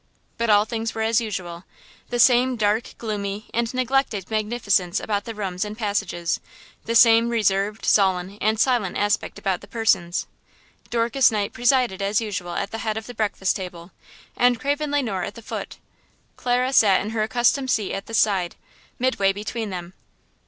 But all things were as usual–the same dark, gloomy and neglected magnificence about the rooms and passages, the same reserved, sullen and silent aspect about the persons. Dorcas Knight presided as usual at the head of the breakfast table, and Craven Le Noir at the foot. Clara sat in her accustomed seat at the side, midway between them.